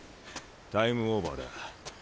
タイムオーバーだ。